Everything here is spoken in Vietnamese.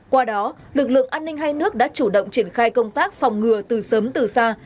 qua đó lực lượng an ninh hai nước đã chủ động triển khai công tác phòng ngừa từ sớm từ xa